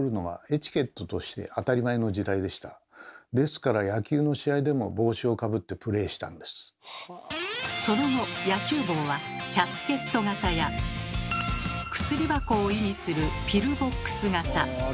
ですからその後野球帽は「キャスケット型」や薬箱を意味する「ピルボックス型」